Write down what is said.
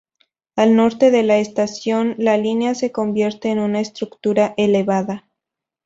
Al norte de la estación, la línea se convierte en una estructura elevada.